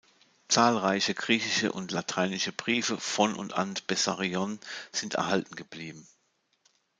Zahlreiche griechische und lateinische Briefe von und an Bessarion sind erhalten geblieben.